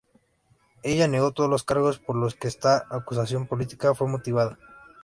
Ella negó todos los cargos por los que esta acusación política fue motivada.